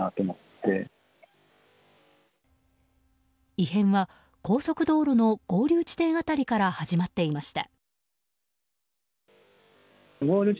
異変は高速道路の合流地点辺りから始まっていました。